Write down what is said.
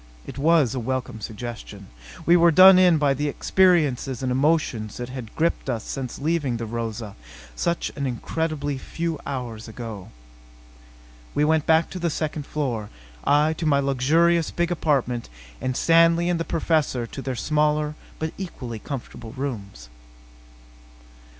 It was a welcome suggestion. We were done in by the experiences and emotions that had gripped us since leaving the Rosa such an incredibly few hours ago. We went back to the second floor. I to my luxurious big apartment and Stanley and the Professor to their smaller but equally comfortable rooms.